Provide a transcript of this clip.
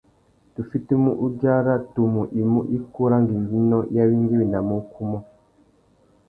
Tu fitimú udzara tumu i mú ikú râ ngüéngüinô i awéngüéwinamú ukú umô.